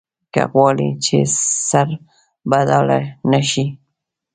که غواړې چې سربډاله نه شې.